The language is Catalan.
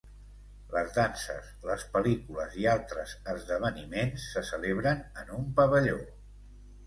Les danses, les pel·lícules i altres esdeveniments se celebren en un pavelló.